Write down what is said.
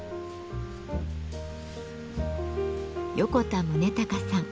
横田宗隆さん。